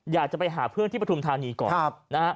อยากจะไปหาเพื่อนที่ประธุมธนีย์ก่อน